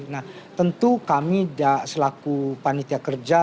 nah tentu kami selaku panitia kerja